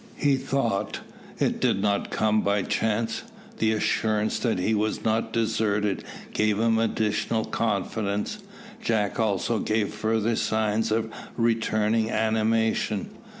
he thought; "it did not come by chance." The assurance that he was not deserted gave him additional confidence. Jack also gave further signs of returning animation.